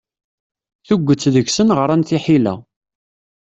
Tuget deg-sen ɣṛan tiḥila.